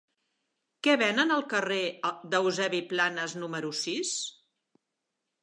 Què venen al carrer d'Eusebi Planas número sis?